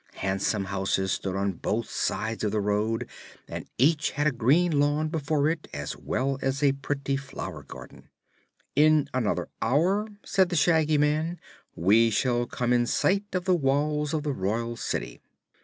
Handsome houses stood on both sides of the road and each had a green lawn before it as well as a pretty flower garden. "In another hour," said the Shaggy Man, "we shall come in sight of the walls of the Royal City."